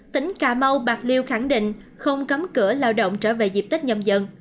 tỉnh cà mau bạc liêu khẳng định không cấm cửa lao động trở về dịp tết nhâm dân